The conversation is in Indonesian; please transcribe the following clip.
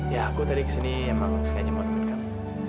ya aku tadi kesini emang sekalian mau nemen kamu